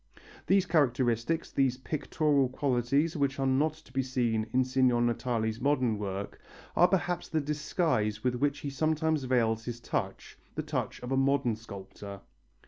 These characteristics, these pictorial qualities which are not to be seen in Signor Natali's modern work, are perhaps the disguise with which he sometimes veils his touch the touch of a modern sculptor.